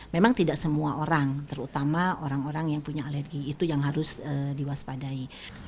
memang tidak semua orang terutama orang orang yang punya alergi itu yang harus diwaspadai